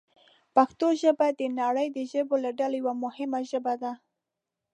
پښتو ژبه د نړۍ د ژبو له ډلې یوه مهمه ژبه ده.